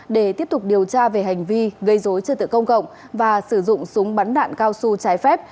để tiếp tục điều tra về hành vi gây dối trật tự công cộng và sử dụng súng bắn đạn cao su trái phép